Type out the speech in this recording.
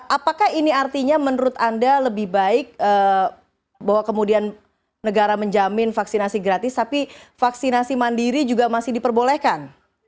apakah ini artinya menurut anda lebih baik bahwa kemudian negara menjamin vaksinasi gratis tapi vaksinasi mandiri juga masih diperbolehkan